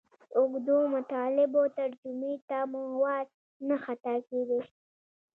اوږدو مطالبو ترجمې ته مو وار نه خطا کېدئ.